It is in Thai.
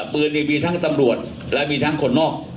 ปืนนี่มีทั้งตำรวจและมีทั้งคนนอก